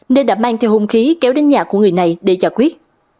nên đã mang theo hôn khí kéo đến nhà của người này để giải quyết